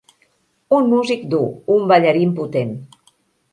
Un músic dur, un ballarí impotent.